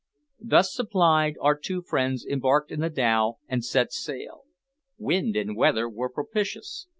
Thus supplied, our two friends embarked in the dhow and set sail. Wind and weather were propitious.